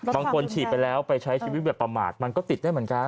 บางคนฉีดไปแล้วไปใช้ชีวิตแบบประมาทมันก็ติดได้เหมือนกัน